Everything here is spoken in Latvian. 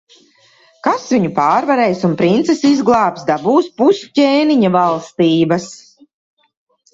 Kas viņu pārvarēs un princesi izglābs, dabūs pus ķēniņa valstības.